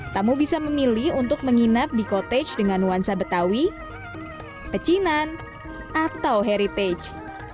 tamu bisa memilih untuk menginap di cotage dengan nuansa betawi pecinan atau heritage